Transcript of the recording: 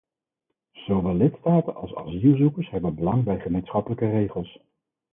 Zowel lidstaten als asielzoekers hebben belang bij gemeenschappelijke regels.